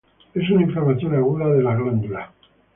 Es una inflamación aguda de la glándula.